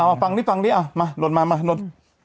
เอาฟังดิฟังดิเอามาหลดมามาหลด